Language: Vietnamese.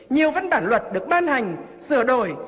nhiều văn bản luật được ban hành sửa đổi